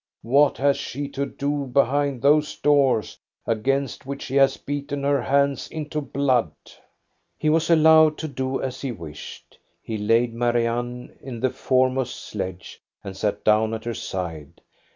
What has she to do behind those doors, against which she has beaten her hand into blood ?" He was allowed to do as he wished. He laid Marianne in the foremost sledge and sat down at her side.